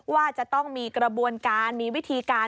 ว่าจะต้องมีกระบวนการมีวิธีการ